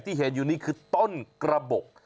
ที่เห็นอยู่นี่คือต้นกระบบ